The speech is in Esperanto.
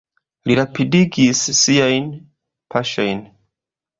Li rapidigis siajn paŝojn.